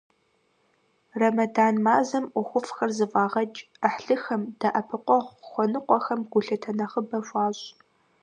Рэмэдан мазэм ӀуэхуфӀхэр зэфӀагъэкӀ, Ӏыхьлыхэм, дэӀэпыкъуэгъу хуэныкъуэхэм гулъытэ нэхъыбэ хуащӀ.